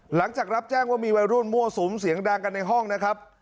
หลังจากรับแจ้งว่ามีวัยรุ่นมั่วสุมเสียงดังกันในห้องนะครับ